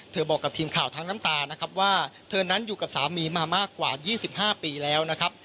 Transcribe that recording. บอกกับทีมข่าวทั้งน้ำตานะครับว่าเธอนั้นอยู่กับสามีมามากกว่า๒๕ปีแล้วนะครับ